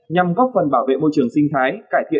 nhằm góp phần bảo vệ môi trường sinh thái